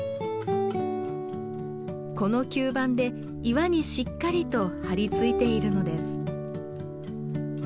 この吸盤で岩にしっかりと張り付いているのです。